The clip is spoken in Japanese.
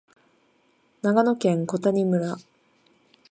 長野県小谷村